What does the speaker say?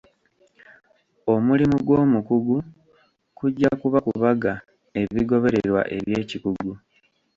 Omulimu gw'omukugu kujja kuba kubaga ebigobererwa eby'ekikugu.